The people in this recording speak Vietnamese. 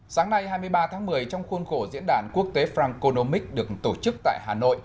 sáng nay hai mươi ba tháng một mươi trong khuôn khổ diễn đàn quốc tế franconomic được tổ chức tại hà nội